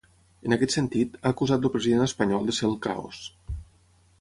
En aquest sentit, ha acusat el president espanyol de ser ‘el caos’.